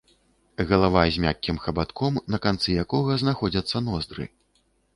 Галава з мяккім хабатком, на канцы якога знаходзяцца ноздры.